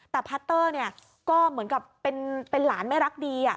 แต่พัตเตอร์เนี่ยก็เหมือนกับเป็นเป็นหลานไม่รักดีอ่ะ